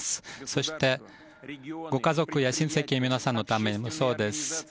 そして、ご家族や親せきの皆さんのためにもそうです。